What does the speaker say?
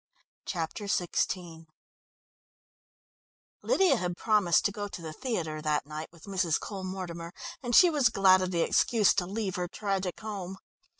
Chapter XVI Lydia had promised to go to the theatre that night with Mrs. Cole Mortimer, and she was glad of the excuse to leave her tragic home.